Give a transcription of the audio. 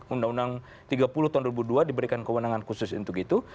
undang undang tiga puluh tahun dua ribu dua diberikan kewenangan khusus untuk itu